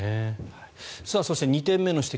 そして、２点目の指摘